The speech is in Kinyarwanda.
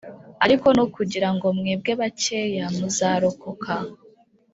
ariko ni ukugirango mwebwe bacyeya muzarokoka,